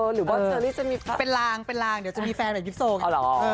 หรือว่าเซอร์นี่จะมีเป็นลางเดี๋ยวจะมีแฟนเหมือนกิปโซไง